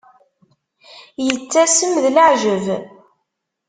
Yettasem d leεǧeb.